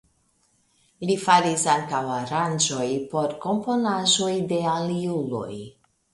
Li faris ankaŭ aranĝojn por komponaĵoj de aliuloj.